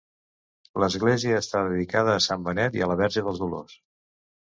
L'església està dedicada a Sant Benet i la Verge dels Dolors.